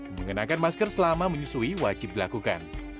mengenakan masker selama menyusui wajib dilakukan